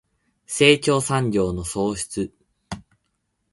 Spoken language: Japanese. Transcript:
成長産業の創出